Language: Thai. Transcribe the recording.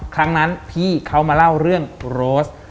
ครั้งนั้นพี่เขามาเล่าเรื่องโรส